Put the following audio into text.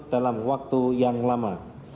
dalam waktu yang lama